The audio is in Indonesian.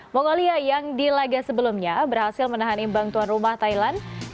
mongolia yang di laga sebelumnya berhasil menahan imbang tuan rumah thailand